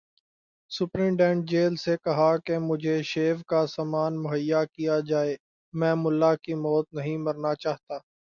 Superintendent jail سے کہا کہ مجھے شیو کا سامان مہیا کیا جائے، میں ملا کی موت نہیں مرنا چاہتا۔